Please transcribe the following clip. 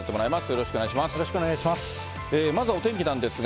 よろしくお願いします。